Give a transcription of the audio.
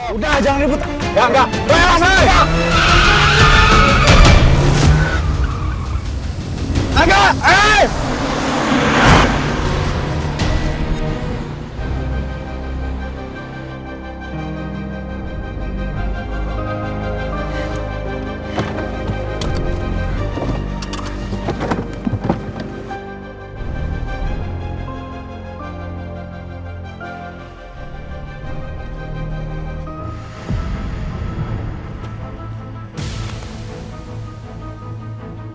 udah jangan ribut